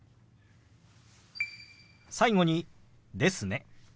最後に「ですね」。